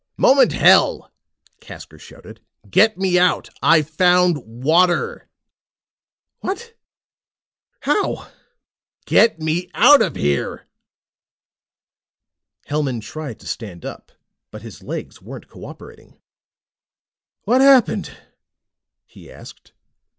"Moment, hell!" Casker shouted. "Get me out. I've found water!" "What? How?" "Get me out of here!" Hellman tried to stand up, but his legs weren't cooperating. "What happened?" he asked.